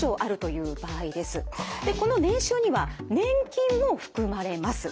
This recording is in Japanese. この年収には年金も含まれます。